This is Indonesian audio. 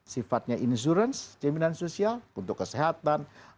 sifatnya insurance jaminan sosial untuk kesehatan